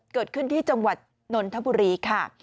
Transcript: เกิดขึ้นที่จังหวัดนนทบุรีค่ะ